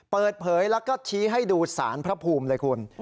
เปิดเผยแล้วก็ชี้ให้ดูสารพระภูมิเลยคุณ